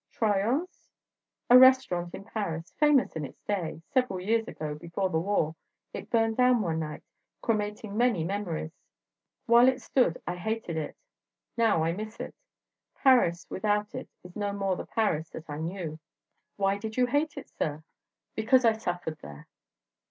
"Troyon's?" "A restaurant in Paris. Famous in its day. Several years ago—before the war—it burned down one night, cremating many memories. While it stood I hated it, now I miss it; Paris without it is no more the Paris that I knew." "Why did you hate it, sir?" "Because I suffered there."